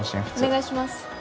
お願いします。